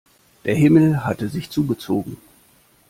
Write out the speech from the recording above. Der Himmel hatte sich zugezogen.